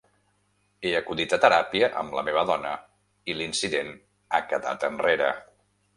He acudit a teràpia amb la meva dona i l'incident ha quedat enrere.